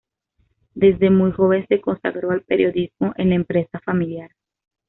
Desde muy joven se consagró al periodismo en la empresa familiar.